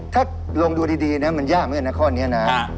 ถ้าลงดูดีมันยากไหมกันนะข้อนี้นะ